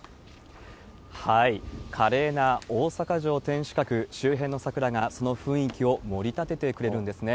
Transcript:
華麗な大阪城天守閣周辺の桜が、その雰囲気をもり立ててくれるんですね。